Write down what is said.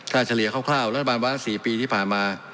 ถ้าเฉลี่ยคร่าวรัฐบาลวาระ๔ปีที่ผ่านมา